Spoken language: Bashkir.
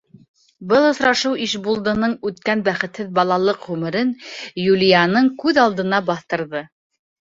Был осрашыу Ишбулдының үткән бәхетһеҙ балалыҡ ғүмерен Юлияның күҙ алдына баҫтырҙы.